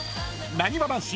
［なにわ男子